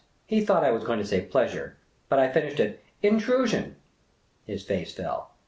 He thought I was going to say, " pleasure," but I finished it, " intrusion." His face fell.